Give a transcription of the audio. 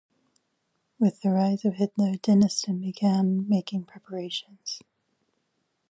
With the rise of Hitler, Denniston began making preparations.